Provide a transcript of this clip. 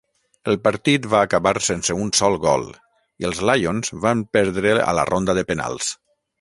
El partit va acabar sense un sol gol i els Lions van perdre a la ronda de penals.